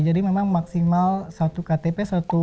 jadi memang maksimal satu ktp